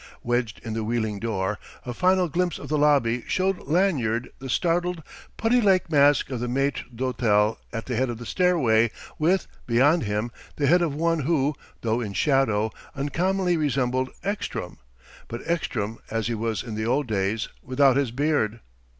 Wedged in the wheeling door, a final glimpse of the lobby showed Lanyard the startled, putty like mask of the maître d'hôtel at the head of the stairway with, beyond him, the head of one who, though in shadow, uncommonly resembled Ekstrom but Ekstrom as he was in the old days, without his beard.